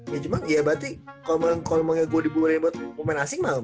ya cuma ya berarti kalau ngomongnya gue dibuat main asing mah